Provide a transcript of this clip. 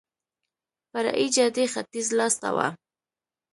فرعي جادې ختیځ لاس ته وه.